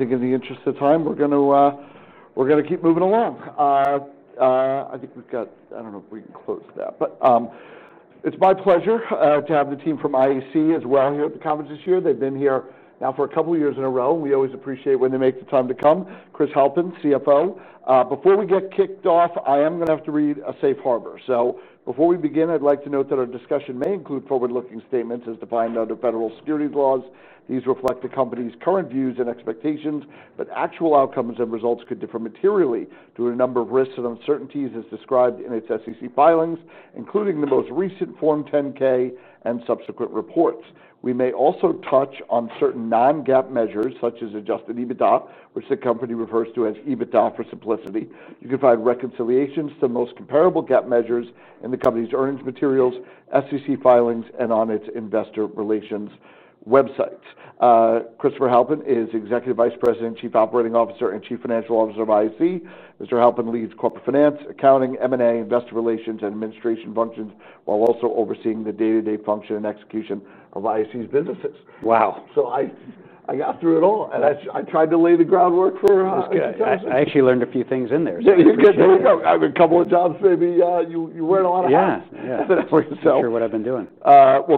I think in the interest of time, we're going to keep moving along. I think we've got, I don't know if we can close that, but it's my pleasure to have the team from IAC as well here at the conference this year. They've been here now for a couple of years in a row, and we always appreciate when they make the time to come. Chris Halpin, CFO. Before we get kicked off, I am going to have to read a safe harbor. Before we begin, I'd like to note that our discussion may include forward-looking statements as defined under federal securities laws. These reflect the company's current views and expectations, but actual outcomes and results could differ materially due to a number of risks and uncertainties as described in its SEC filings, including the most recent Form 10-K and subsequent reports. We may also touch on certain non-GAAP measures such as adjusted EBITDA, which the company refers to as EBITDA for simplicity. You can find reconciliations to the most comparable GAAP measures in the company's earnings materials, SEC filings, and on its investor relations websites. Christopher Halpin is Executive Vice President, Chief Operating Officer, and Chief Financial Officer of IAC. Mr. Halpin leads corporate finance, accounting, M&A, investor relations, and administration functions, while also overseeing the day-to-day function and execution of IAC's businesses. Wow. I got through it all. I tried to lay the groundwork for. I actually learned a few things in there. Yeah, you're good. There we go. I have a couple of jobs, maybe. You learn a lot of things. Yeah, yeah. For yourself. I'm not sure what I've been doing.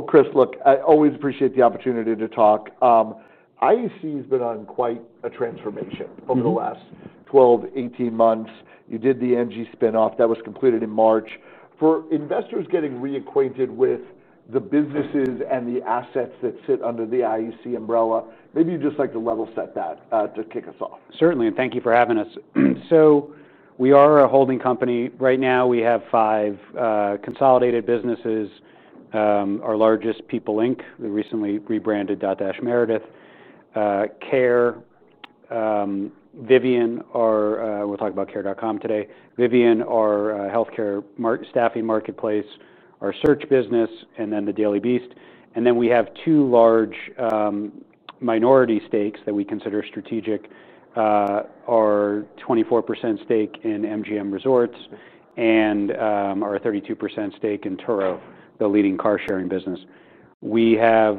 Chris, I always appreciate the opportunity to talk. IAC has been on quite a transformation over the last 12, 18 months. You did the NG spin-off that was completed in March. For investors getting reacquainted with the businesses and the assets that sit under the IAC umbrella, maybe you'd just like to level set that to kick us off. Certainly, and thank you for having us. We are a holding company. Right now, we have five consolidated businesses. Our largest, People Inc., we recently rebranded from Dotdash Meredith. Care, Vivian, we're talking about Care.com today. Vivian, our healthcare staffing marketplace, our search business, and then The Daily Beast. We have two large minority stakes that we consider strategic – our 24% stake in MGM Resorts and our 32% stake in Turo, the leading car sharing business. We have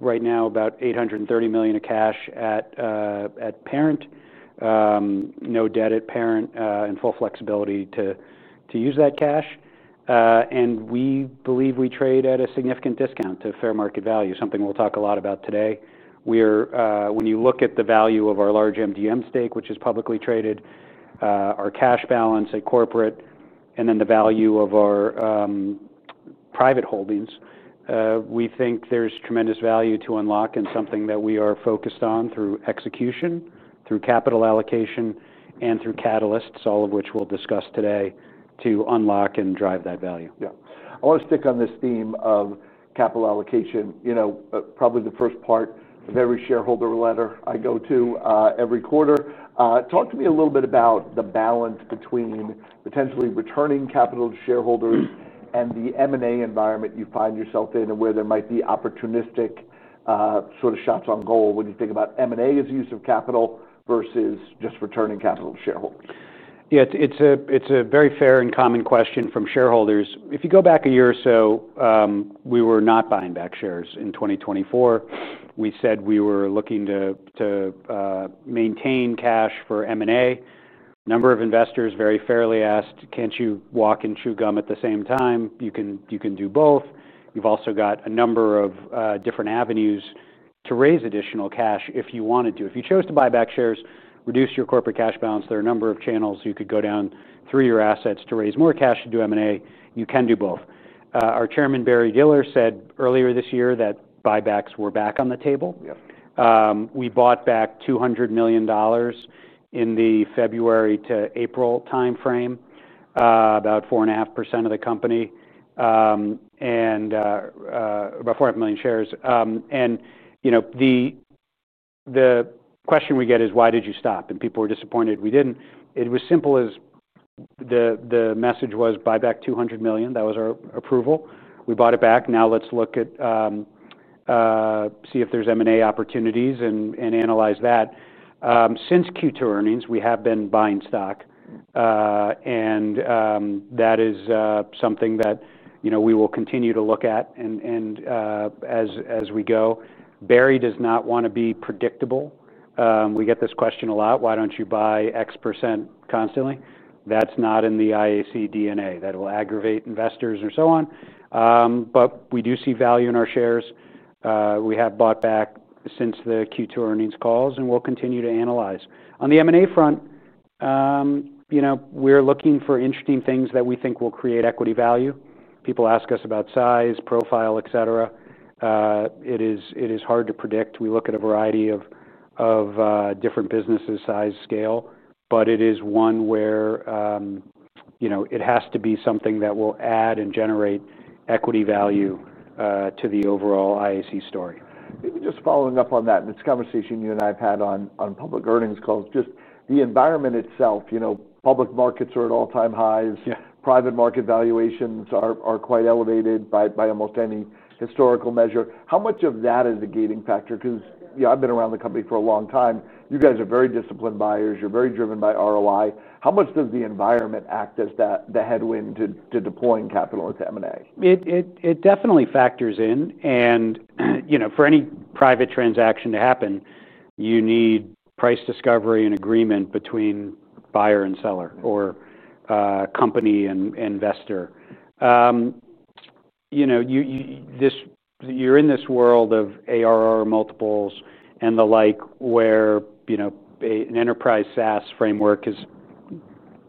right now about $830 million of cash at Parent, no debt at Parent, and full flexibility to use that cash. We believe we trade at a significant discount to fair market value, something we'll talk a lot about today. When you look at the value of our large MGM stake, which is publicly traded, our cash balance at corporate, and the value of our private holdings, we think there's tremendous value to unlock and something that we are focused on through execution, through capital allocation, and through catalysts, all of which we'll discuss today to unlock and drive that value. Yeah. I'll stick on this theme of capital allocation. Probably the first part, every shareholder letter I go to every quarter. Talk to me a little bit about the balance between potentially returning capital to shareholders and the M&A environment you find yourself in, and where there might be opportunistic sort of shots on goal when you think about M&A as a use of capital versus just returning capital to shareholders. Yeah, it's a very fair and common question from shareholders. If you go back a year or so, we were not buying back shares in 2024. We said we were looking to maintain cash for M&A. A number of investors very fairly asked, "Can't you walk and chew gum at the same time? You can do both." You've also got a number of different avenues to raise additional cash if you wanted to. If you chose to buy back shares, reduce your corporate cash balance, there are a number of channels you could go down through your assets to raise more cash to do M&A. You can do both. Our Chairman, Barry Diller, said earlier this year that buybacks were back on the table. We bought back $200 million in the February to April timeframe, about 4.5% of the company, about 4.5 million shares. You know, the question we get is, "Why did you stop?" People were disappointed. We didn't. It was simple as the message was, "Buy back $200 million." That was our approval. We bought it back. Now let's look at see if there's M&A opportunities and analyze that. Since Q2 earnings, we have been buying stock. That is something that we will continue to look at as we go. Barry does not want to be predictable. We get this question a lot. "Why don't you buy X % constantly?" That is not in the IAC DNA. That will aggravate investors or so on. We do see value in our shares. We have bought back since the Q2 earnings calls, and we'll continue to analyze. On the M&A front, we're looking for interesting things that we think will create equity value. People ask us about size, profile, etc. It is hard to predict. We look at a variety of different businesses, size, scale, but it is one where it has to be something that will add and generate equity value to the overall IAC story. Maybe just following up on that, in this conversation you and I have had on public earnings calls, just the environment itself, you know, public markets are at all-time highs. Private market valuations are quite elevated by almost any historical measure. How much of that is the gating factor? Because, you know, I've been around the company for a long time. You guys are very disciplined buyers. You're very driven by ROI. How much does the environment act as the headwind to deploying capital at M&A? It definitely factors in. For any private transaction to happen, you need price discovery and agreement between buyer and seller or company and investor. You're in this world of ARR multiples and the like where an enterprise SaaS framework is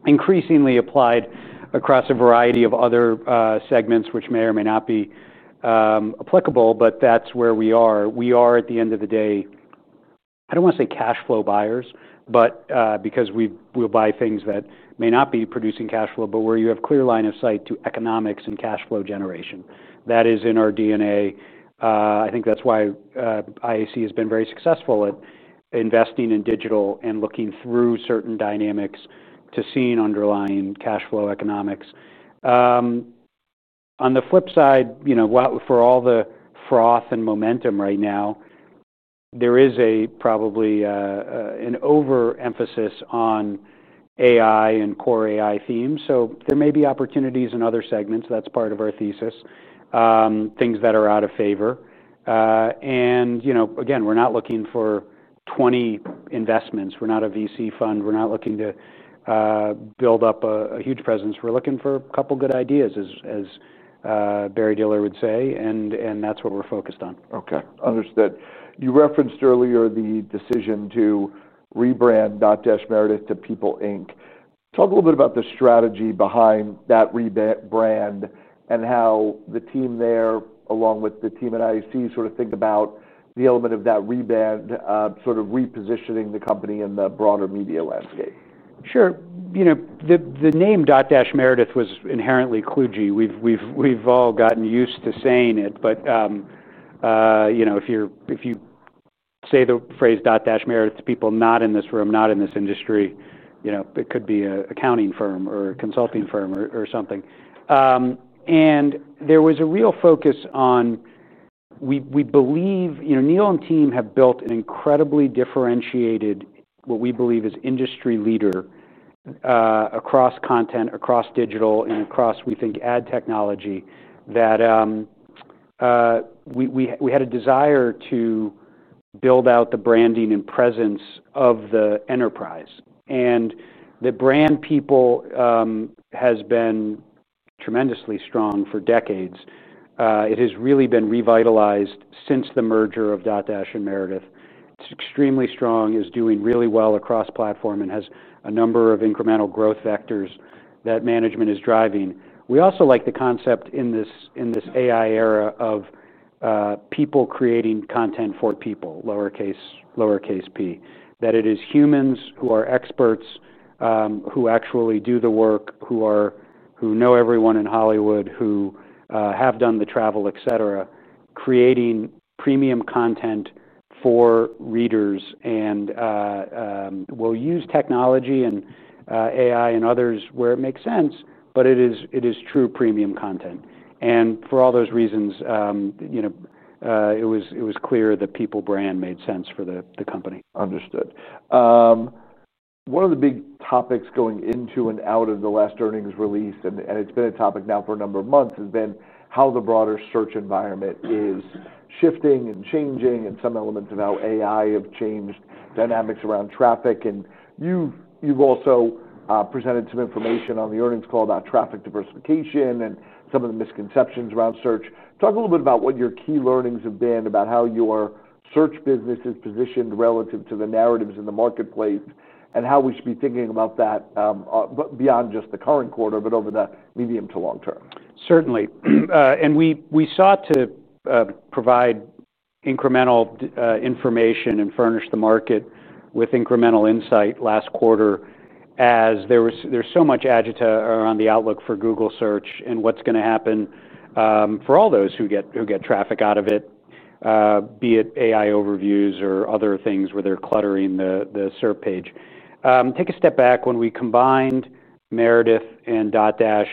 increasingly applied across a variety of other segments, which may or may not be applicable, but that's where we are. At the end of the day, I don't want to say cash flow buyers, because we'll buy things that may not be producing cash flow, but where you have a clear line of sight to economics and cash flow generation. That is in our DNA. I think that's why IAC has been very successful at investing in digital and looking through certain dynamics to seeing underlying cash flow economics. On the flip side, for all the froth and momentum right now, there is probably an overemphasis on AI and core AI themes. There may be opportunities in other segments. That's part of our thesis, things that are out of favor. Again, we're not looking for 20 investments. We're not a VC fund. We're not looking to build up a huge presence. We're looking for a couple of good ideas, as Barry Diller would say, and that's what we're focused on. Okay, understood. You referenced earlier the decision to rebrand Dotdash Meredith to People Inc. Talk a little bit about the strategy behind that rebrand and how the team there, along with the team at IAC, sort of think about the element of that rebrand, sort of repositioning the company in the broader media landscape. Sure. You know, the name Dotdash Meredith was inherently kludgy. We've all gotten used to saying it, but, you know, if you say the phrase Dotdash Meredith to people not in this room, not in this industry, you know, it could be an accounting firm or a consulting firm or something. There was a real focus on, we believe, you know, Neil and team have built an incredibly differentiated, what we believe is industry leader across content, across digital, and across, we think, ad technology, that we had a desire to build out the branding and presence of the enterprise. The People brand has been tremendously strong for decades. It has really been revitalized since the merger of Dotdash and Meredith. It's extremely strong, is doing really well across platform, and has a number of incremental growth vectors that management is driving. We also like the concept in this AI era of people creating content for people, lowercase p. That it is humans who are experts, who actually do the work, who know everyone in Hollywood, who have done the travel, etc., creating premium content for readers and will use technology and AI and others where it makes sense, but it is true premium content. For all those reasons, you know, it was clear the People brand made sense for the company. Understood. One of the big topics going into and out of the last earnings release, and it's been a topic now for a number of months, has been how the broader search environment is shifting and changing, and some elements of how AI have changed dynamics around traffic. You've also presented some information on the earnings call about traffic diversification and some of the misconceptions around search. Talk a little bit about what your key learnings have been about how your search business is positioned relative to the narratives in the marketplace and how we should be thinking about that, beyond just the current quarter, but over the medium to long term. Certainly. We sought to provide incremental information and furnish the market with incremental insight last quarter as there's so much agita around the outlook for Google Search and what's going to happen for all those who get traffic out of it, be it AI overviews or other things where they're cluttering the SERP page. Take a step back. When we combined Meredith and Dotdash,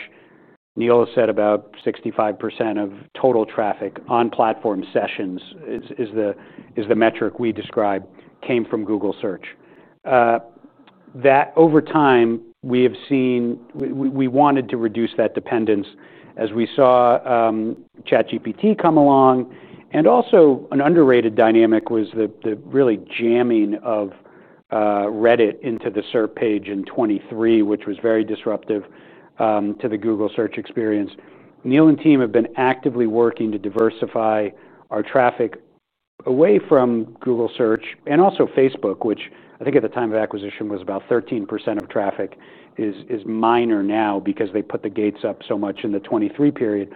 Neil said about 65% of total traffic on-platform sessions, is the metric we describe, came from Google Search. Over time, we have seen, we wanted to reduce that dependence as we saw ChatGPT come along. An underrated dynamic was the really jamming of Reddit into the SERP page in 2023, which was very disruptive to the Google Search experience. Neil and team have been actively working to diversify our traffic away from Google Search and also Facebook, which I think at the time of acquisition was about 13% of traffic, is minor now because they put the gates up so much in the 2023 period,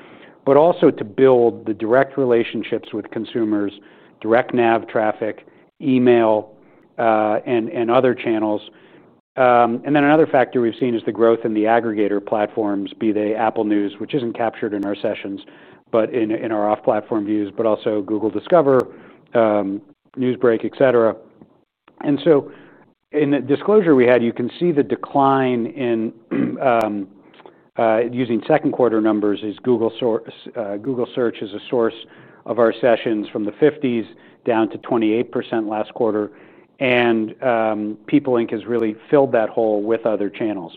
also to build the direct relationships with consumers, direct nav traffic, email, and other channels. Another factor we've seen is the growth in the aggregator platforms, be they Apple News, which isn't captured in our sessions but in our off-platform views, also Google Discover, Newsbreak, etc. In the disclosure we had, you can see the decline in using second-quarter numbers as Google Search is a source of our sessions from the 50s down to 28% last quarter. People Inc. has really filled that hole with other channels.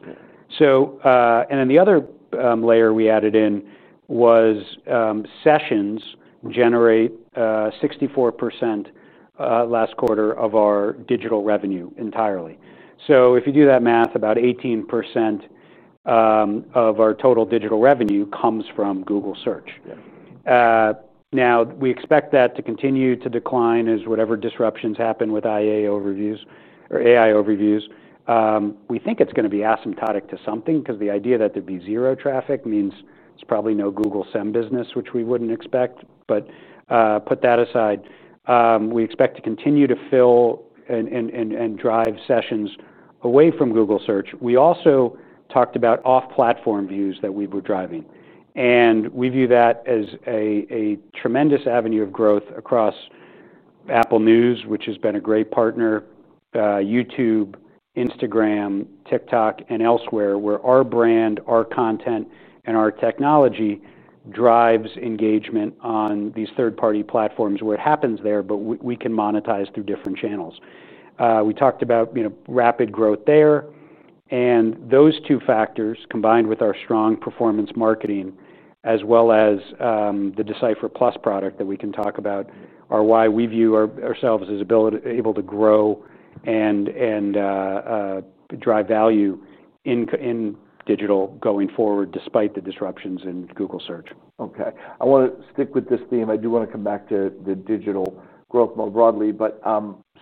The other layer we added in was sessions generate 64% last quarter of our digital revenue entirely. If you do that math, about 18% of our total digital revenue comes from Google Search. We expect that to continue to decline as whatever disruptions happen with AI overviews. We think it's going to be asymptotic to something because the idea that there'd be zero traffic means there's probably no Google SEM business, which we wouldn't expect. Put that aside, we expect to continue to fill and drive sessions away from Google Search. We also talked about off-platform views that we were driving. We view that as a tremendous avenue of growth across Apple News, which has been a great partner, YouTube, Instagram, TikTok, and elsewhere where our brand, our content, and our technology drives engagement on these third-party platforms where it happens there, but we can monetize through different channels. We talked about rapid growth there. Those two factors, combined with our strong performance marketing, as well as the Decipher Plus product that we can talk about, are why we view ourselves as able to grow and drive value in digital going forward despite the disruptions in Google Search. Okay. I want to stick with this theme. I do want to come back to the digital growth more broadly. We're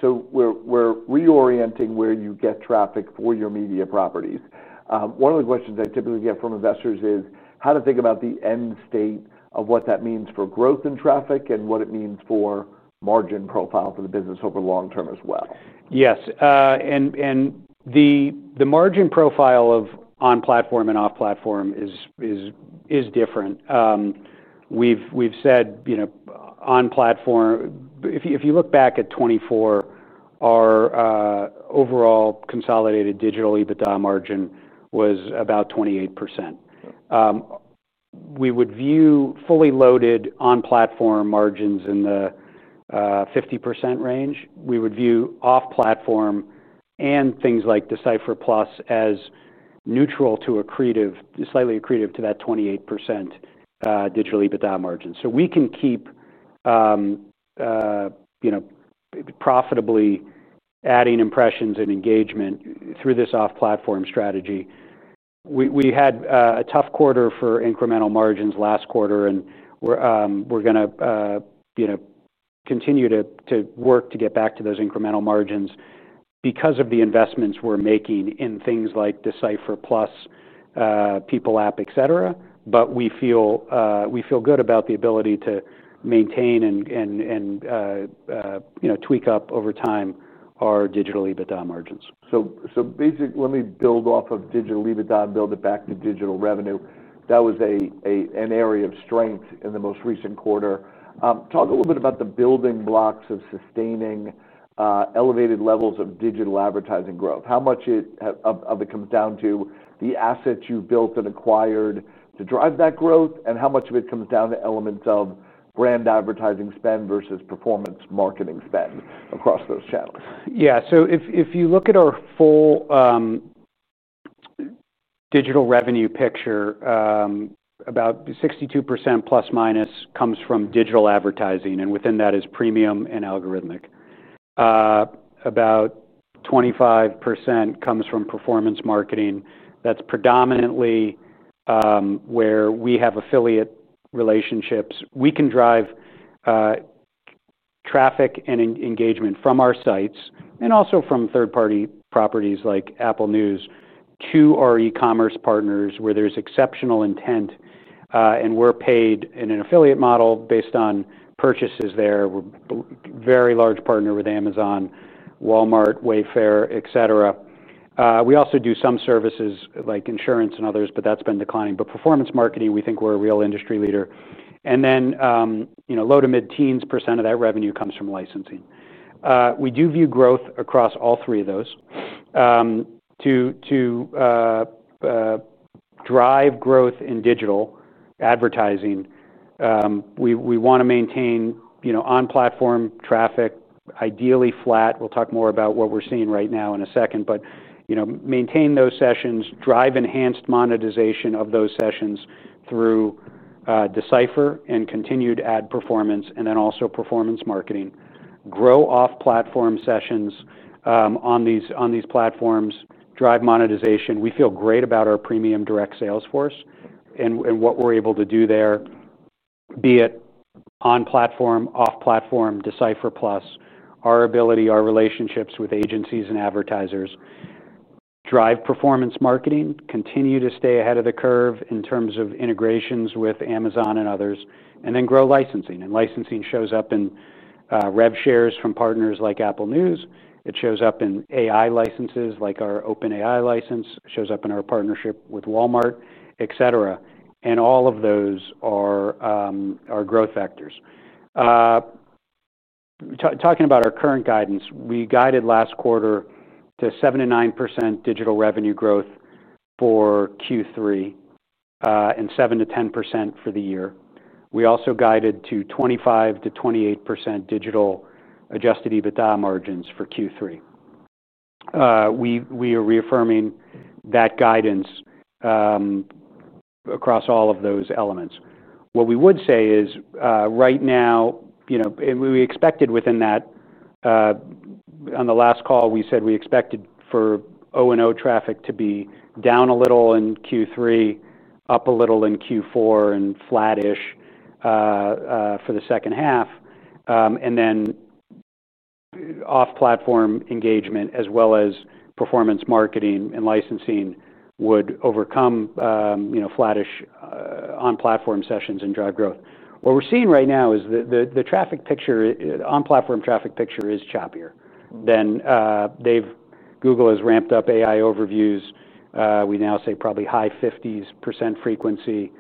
reorienting where you get traffic for your media properties. One of the questions I typically get from investors is how to think about the end state of what that means for growth and traffic and what it means for margin profile for the business over the long term as well. Yes. The margin profile of on-platform and off-platform is different. We've said on-platform, if you look back at 2024, our overall consolidated digital adjusted EBITDA margin was about 28%. We would view fully loaded on-platform margins in the 50% range. We would view off-platform and things like Decipher Plus as neutral to slightly accretive to that 28% digital adjusted EBITDA margin. We can keep profitably adding impressions and engagement through this off-platform strategy. We had a tough quarter for incremental margins last quarter, and we're going to continue to work to get back to those incremental margins because of the investments we're making in things like Decipher Plus, People App, etc. We feel good about the ability to maintain and tweak up over time our digital adjusted EBITDA margins. Let me build off of digital EBITDA, build it back to digital revenue. That was an area of strength in the most recent quarter. Talk a little bit about the building blocks of sustaining elevated levels of digital advertising growth. How much of it comes down to the assets you've built and acquired to drive that growth, and how much of it comes down to elements of brand advertising spend versus performance marketing spend across those channels? Yeah, so if you look at our full digital revenue picture, about 62% plus minus comes from digital advertising, and within that is premium and algorithmic. About 25% comes from performance marketing. That's predominantly where we have affiliate relationships. We can drive traffic and engagement from our sites and also from third-party properties like Apple News to our e-commerce partners where there's exceptional intent, and we're paid in an affiliate model based on purchases there. We're a very large partner with Amazon, Walmart, Wayfair, etc. We also do some services like insurance and others, but that's been declining. Performance marketing, we think we're a real industry leader. Low to mid-teens % of that revenue comes from licensing. We do view growth across all three of those. To drive growth in digital advertising, we want to maintain on-platform traffic, ideally flat. We'll talk more about what we're seeing right now in a second, but maintain those sessions, drive enhanced monetization of those sessions through Decipher and continue to add performance, and then also performance marketing. Grow off-platform sessions on these platforms, drive monetization. We feel great about our premium direct sales force and what we're able to do there, be it on-platform, off-platform, Decipher Plus, our ability, our relationships with agencies and advertisers, drive performance marketing, continue to stay ahead of the curve in terms of integrations with Amazon and others, and then grow licensing. Licensing shows up in rev shares from partners like Apple News. It shows up in AI licenses like our OpenAI license, shows up in our partnership with Walmart, etc. All of those are our growth vectors. Talking about our current guidance, we guided last quarter to 7%-9% digital revenue growth for Q3 and 7%-10% for the year. We also guided to 25%-28% digital adjusted EBITDA margins for Q3. We are reaffirming that guidance across all of those elements. What we would say is right now, you know, and we expected within that, on the last call, we said we expected for O&O traffic to be down a little in Q3, up a little in Q4, and flattish for the second half. Off-platform engagement, as well as performance marketing and licensing, would overcome flattish on-platform sessions and drive growth. What we're seeing right now is that the traffic picture, on-platform traffic picture is choppier than they've. Google has ramped up AI overviews. We now say probably high 50% frequency.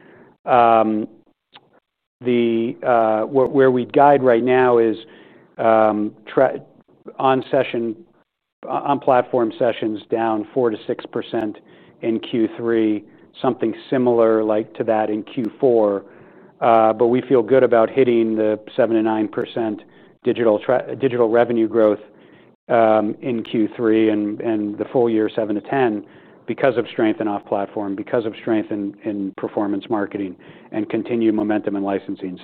Where we guide right now is on-platform sessions down 4%-6% in Q3, something similar to that in Q4. We feel good about hitting the 7%-9% digital revenue growth in Q3 and the full year, 7%-10%, because of strength in off-platform, because of strength in performance marketing, and continued momentum in licensing.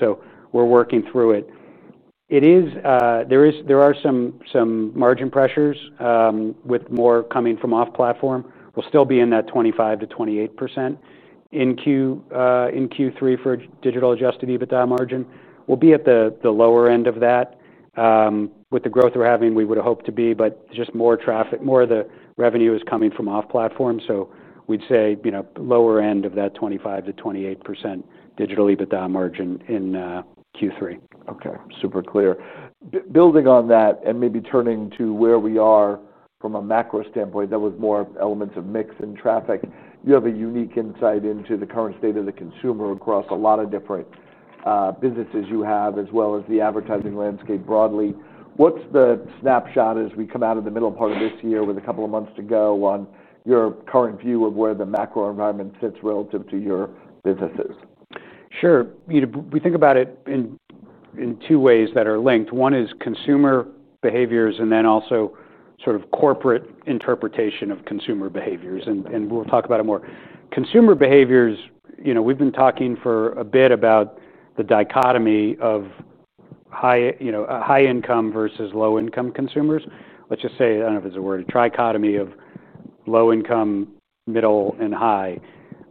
We're working through it. There are some margin pressures with more coming from off-platform. We'll still be in that 25%-28% in Q3 for digital adjusted EBITDA margin. We'll be at the lower end of that. With the growth we're having, we would hope to be, but just more traffic, more of the revenue is coming from off-platform. We'd say, you know, lower end of that 25%-28% digital EBITDA margin in Q3. Okay, super clear. Building on that and maybe turning to where we are from a macro standpoint, that was more elements of mix and traffic, you have a unique insight into the current state of the consumer across a lot of different businesses you have, as well as the advertising landscape broadly. What's the snapshot as we come out of the middle part of this year with a couple of months to go on your current view of where the macro environment sits relative to your businesses? Sure. We think about it in two ways that are linked. One is consumer behaviors and then also sort of corporate interpretation of consumer behaviors. We'll talk about it more. Consumer behaviors, you know, we've been talking for a bit about the dichotomy of high-income versus low-income consumers. Let's just say, I don't know if it's a word, a trichotomy of low-income, middle, and high.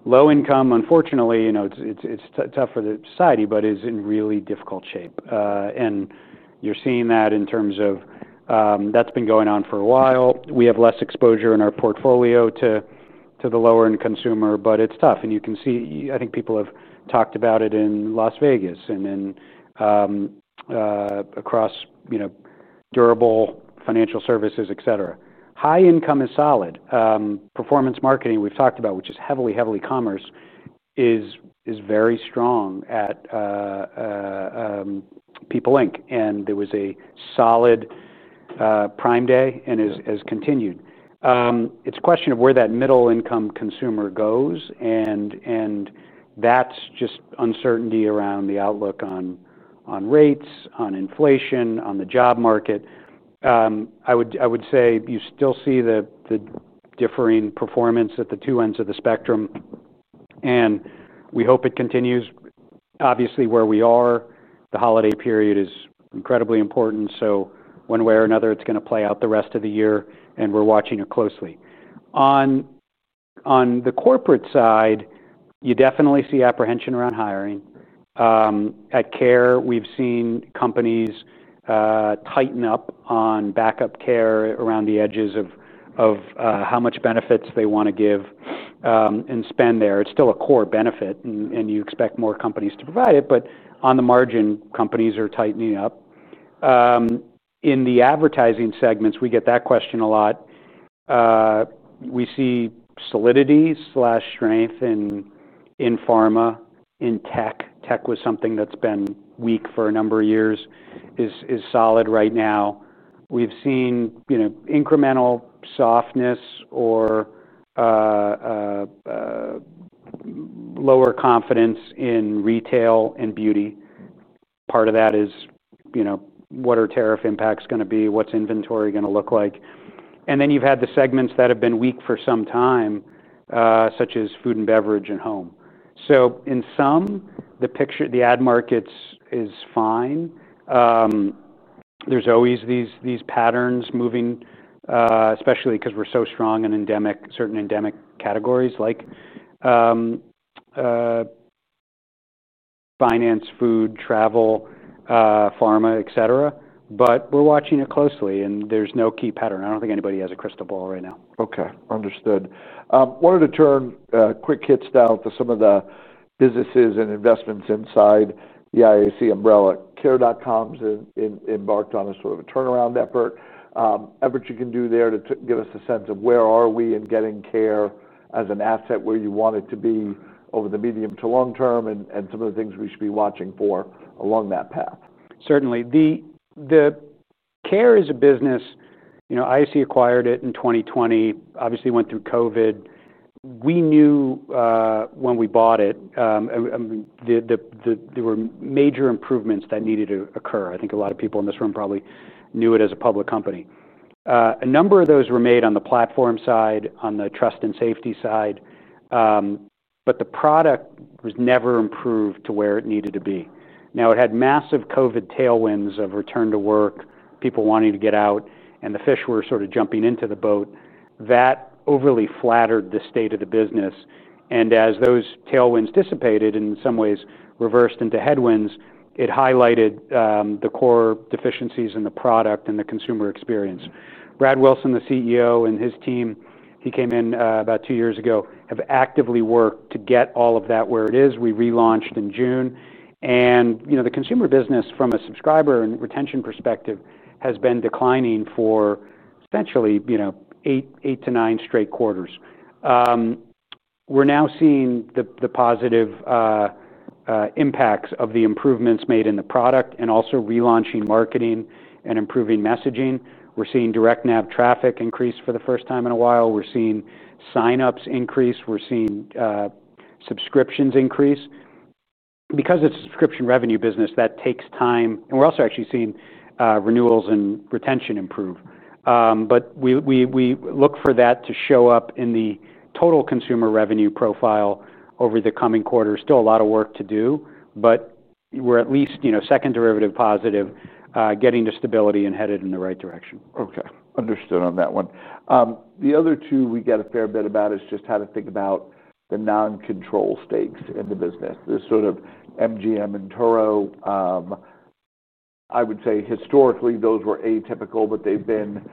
Low-income, unfortunately, you know, it's tough for the society, but it is in really difficult shape. You're seeing that in terms of that's been going on for a while. We have less exposure in our portfolio to the lower-end consumer, but it's tough. You can see, I think people have talked about it in Las Vegas and across, you know, durable financial services, etc. High-income is solid. Performance marketing we've talked about, which is heavily, heavily commerce, is very strong at People Inc. There was a solid Prime Day and has continued. It's a question of where that middle-income consumer goes, and that's just uncertainty around the outlook on rates, on inflation, on the job market. I would say you still see the differing performance at the two ends of the spectrum. We hope it continues. Obviously, where we are, the holiday period is incredibly important. One way or another, it's going to play out the rest of the year, and we're watching it closely. On the corporate side, you definitely see apprehension around hiring. At Care, we've seen companies tighten up on backup care around the edges of how much benefits they want to give and spend there. It's still a core benefit, and you expect more companies to provide it. On the margin, companies are tightening up. In the advertising segments, we get that question a lot. We see solidity/strength in pharma, in tech. Tech was something that's been weak for a number of years, is solid right now. We've seen incremental softness or lower confidence in retail and beauty. Part of that is, you know, what are tariff impacts going to be? What's inventory going to look like? Then you've had the segments that have been weak for some time, such as food and beverage and home. In some, the picture, the ad markets are fine. There are always these patterns moving, especially because we're so strong in certain endemic categories like finance, food, travel, pharma, etc. We're watching it closely, and there's no key pattern. I don't think anybody has a crystal ball right now. Okay, understood. I wanted to turn quickly down to some of the businesses and investments inside the IAC umbrella. Care.com has embarked on a sort of a turnaround effort. Anything you can do there to give us a sense of where are we in getting Care as an asset, where you want it to be over the medium to long term, and some of the things we should be watching for along that path? Certainly. Care is a business, you know, IAC acquired it in 2020, obviously went through COVID. We knew when we bought it, there were major improvements that needed to occur. I think a lot of people in this room probably knew it as a public company. A number of those were made on the platform side, on the trust and safety side, but the product was never improved to where it needed to be. It had massive COVID tailwinds of return to work, people wanting to get out, and the fish were sort of jumping into the boat. That overly flattered the state of the business. As those tailwinds dissipated and in some ways reversed into headwinds, it highlighted the core deficiencies in the product and the consumer experience. Brad Wilson, the CEO, and his team, he came in about two years ago, have actively worked to get all of that where it is. We relaunched in June. The consumer business from a subscriber and retention perspective has been declining for essentially eight to nine straight quarters. We're now seeing the positive impacts of the improvements made in the product and also relaunching marketing and improving messaging. We're seeing direct nav traffic increase for the first time in a while. We're seeing signups increase. We're seeing subscriptions increase. Because it's a subscription revenue business, that takes time. We're also actually seeing renewals and retention improve. We look for that to show up in the total consumer revenue profile over the coming quarter. Still a lot of work to do, but we're at least, you know, second derivative positive, getting to stability and headed in the right direction. Okay, understood on that one. The other two we get a fair bit about is just how to think about the non-control stakes in the business. There's sort of MGM and Turo. I would say historically those were atypical, but they've been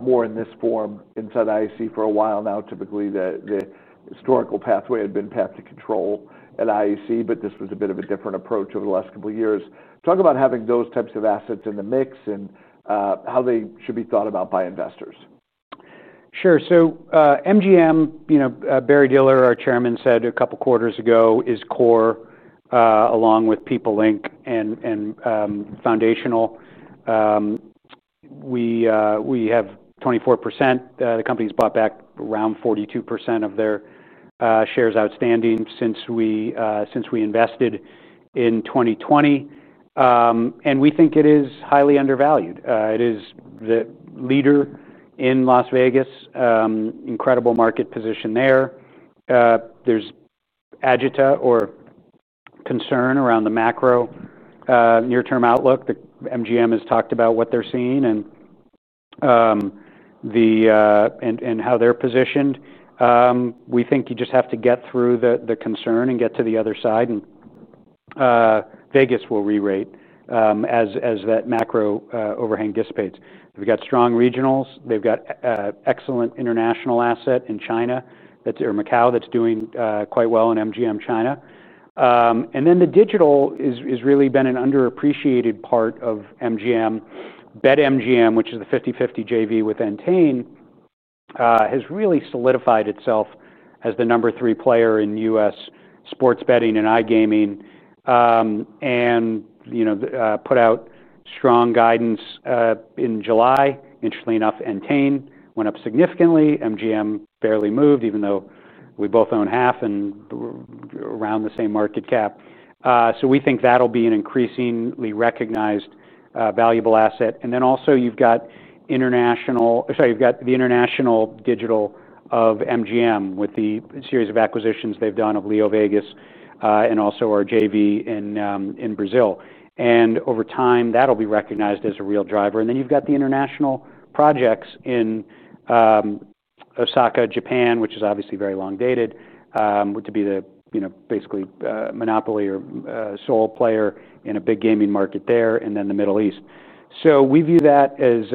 more in this form inside IAC for a while now. Typically, the historical pathway had been path to control at IAC, but this was a bit of a different approach over the last couple of years. Talk about having those types of assets in the mix and how they should be thought about by investors. Sure. MGM, you know, Barry Diller, our Chairman, said a couple of quarters ago is core along with People Inc. and foundational. We have 24%. The company has bought back around 42% of their shares outstanding since we invested in 2020. We think it is highly undervalued. It is the leader in Las Vegas, incredible market position there. There is agita or concern around the macro near-term outlook. MGM has talked about what they're seeing and how they're positioned. We think you just have to get through the concern and get to the other side. Vegas will re-rate as that macro overhang dissipates. They've got strong regionals. They've got excellent international asset in China or Macao that's doing quite well in MGM China. The digital has really been an underappreciated part of MGM. BetMGM, which is the 50-50 JV with Entain, has really solidified itself as the number three player in the U.S. sports betting and iGaming and put out strong guidance in July. Interestingly enough, Entain went up significantly. MGM barely moved, even though we both own half and around the same market cap. We think that'll be an increasingly recognized valuable asset. Also, you've got the international digital of MGM with the series of acquisitions they've done of LeoVegas and also our JV in Brazil. Over time, that'll be recognized as a real driver. You've got the international projects in Osaka, Japan, which is obviously very long-dated, to be the basically monopoly or sole player in a big gaming market there, and the Middle East. We view that as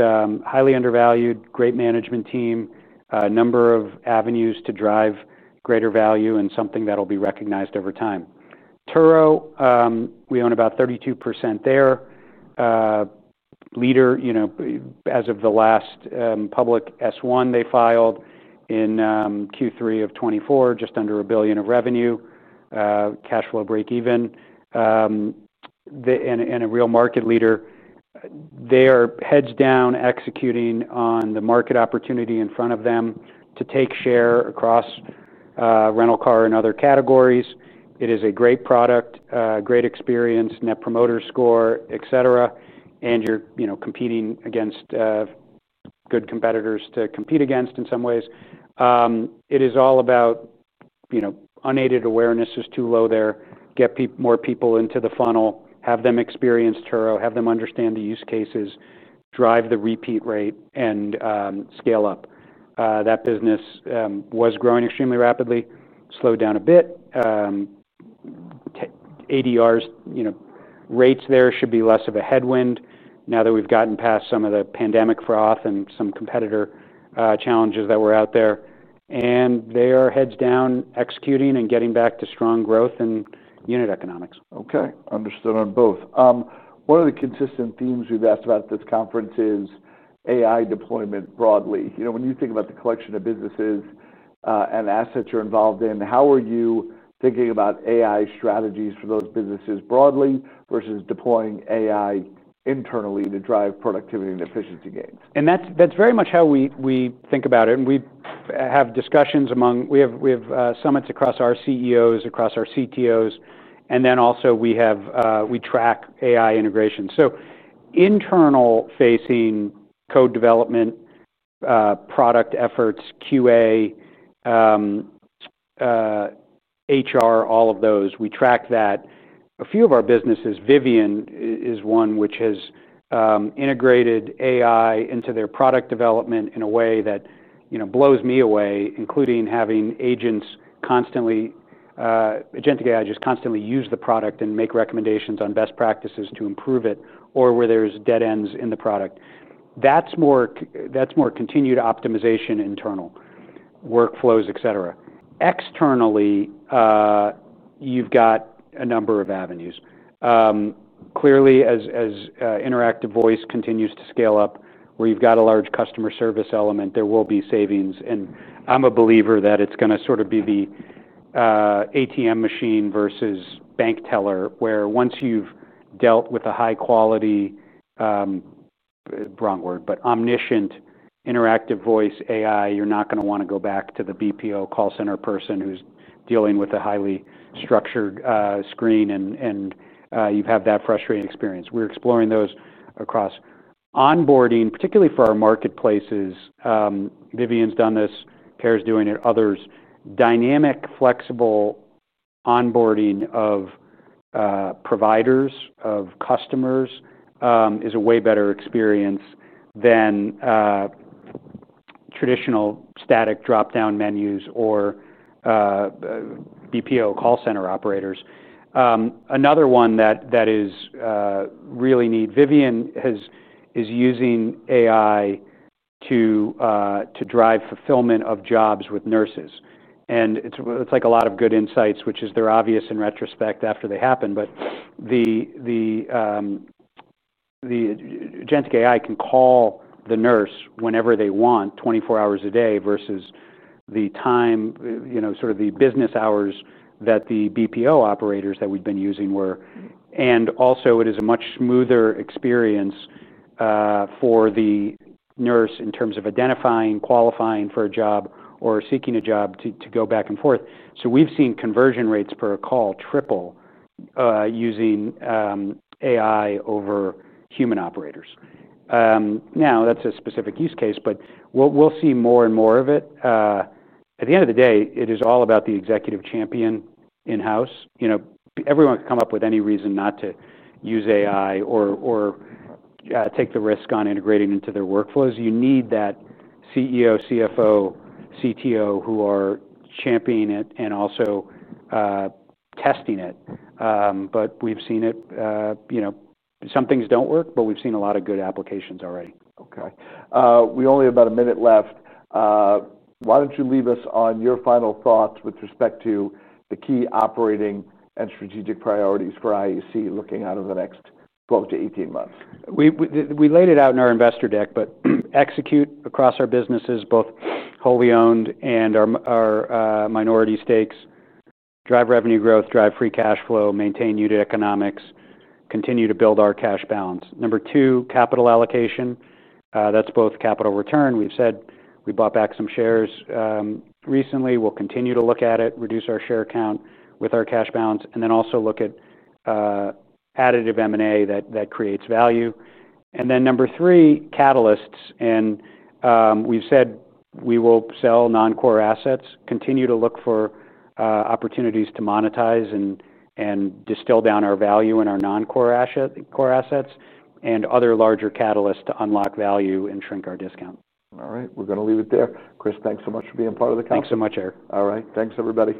highly undervalued, great management team, a number of avenues to drive greater value and something that'll be recognized over time. Turo, we own about 32% there. Leader, you know, as of the last public S-1 they filed in Q3 of 2024, just under $1 billion of revenue, cash flow break even, and a real market leader. They are heads down executing on the market opportunity in front of them to take share across rental car and other categories. It is a great product, great experience, net promoter score, etc., and you're competing against good competitors to compete against in some ways. It is all about unaided awareness is too low there. Get more people into the funnel, have them experience Turo, have them understand the use cases, drive the repeat rate, and scale up. That business was growing extremely rapidly, slowed down a bit. ADRs, you know, rates there should be less of a headwind now that we've gotten past some of the pandemic froth and some competitor challenges that were out there. They are heads down executing and getting back to strong growth and unit economics. Okay, understood on both. One of the consistent themes we've asked about at this conference is AI deployment broadly. When you think about the collection of businesses and assets you're involved in, how are you thinking about AI strategies for those businesses broadly versus deploying AI internally to drive productivity and efficiency gains? That is very much how we think about it. We have discussions among, we have summits across our CEOs, across our CTOs, and then also we track AI integration. Internal-facing code development, product efforts, QA, HR, all of those, we track that. A few of our businesses, Vivian is one which has integrated AI into their product development in a way that blows me away, including having agents constantly, agentic AI just constantly use the product and make recommendations on best practices to improve it or where there's dead ends in the product. That is more continued optimization internal, workflows, etc. Externally, you've got a number of avenues. Clearly, as interactive voice continues to scale up, where you've got a large customer service element, there will be savings. I am a believer that it's going to sort of be the ATM machine versus bank teller, where once you've dealt with a high quality, wrong word, but omniscient interactive voice AI, you're not going to want to go back to the BPO call center person who's dealing with a highly structured screen and you've had that frustrating experience. We're exploring those across. Onboarding, particularly for our marketplaces, Vivian's done this, Care is doing it, others, dynamic, flexible onboarding of providers, of customers is a way better experience than traditional static drop-down menus or BPO call center operators. Another one that is really needed, Vivian is using AI to drive fulfillment of jobs with nurses. It's like a lot of good insights, which are obvious in retrospect after they happen, but the agentic AI can call the nurse whenever they want, 24 hours a day, versus the business hours that the BPO operators that we'd been using were. Also, it is a much smoother experience for the nurse in terms of identifying, qualifying for a job, or seeking a job to go back and forth. We've seen conversion rates per call triple using AI over human operators. That is a specific use case, but we'll see more and more of it. At the end of the day, it is all about the executive champion in-house. Everyone can come up with any reason not to use AI or take the risk on integrating into their workflows. You need that CEO, CFO, CTO who are championing it and also testing it. We've seen it, some things don't work, but we've seen a lot of good applications already. Okay. We only have about a minute left. Why don't you leave us on your final thoughts with respect to the key operating and strategic priorities for IAC looking out over the next 12 -18 months? We laid it out in our investor deck, but execute across our businesses, both wholly owned and our minority stakes, drive revenue growth, drive free cash flow, maintain unit economics, continue to build our cash balance. Number two, capital allocation. That's both capital return. We've said we bought back some shares recently. We'll continue to look at it, reduce our share count with our cash balance, and then also look at additive M&A that creates value. Number three, catalysts. We've said we will sell non-core assets, continue to look for opportunities to monetize and distill down our value in our non-core assets and other larger catalysts to unlock value and shrink our discount. All right. We're going to leave it there. Chris, thanks so much for being part of the conference. Thanks so much, [Eyr]. All right. Thanks, everybody.